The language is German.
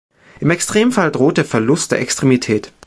Im Extremfall droht der Verlust der Extremität.